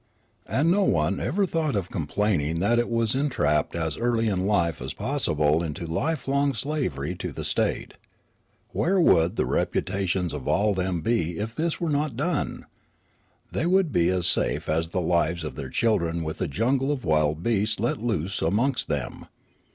And no one ever thought of complaining that it was entrapped as early in life as possible into lifelong slavery to the 99 loo Riallaro state. Where would the reputations of all of them be if this were not done ? The} would be as safe as the lives of their children with a jungle of wild beasts let loose amongst them.